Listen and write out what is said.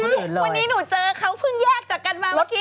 วันนี้หนูเจอเขาเพิ่งแยกจากกันมาเมื่อกี้